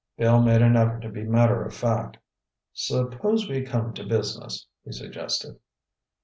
Bill made an effort to be matter of fact. "Suppose we come to business," he suggested.